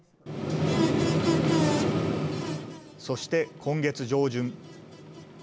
そして今月上旬。